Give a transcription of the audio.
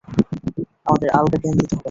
আমাদের আলগা জ্ঞান দিতে হবে না।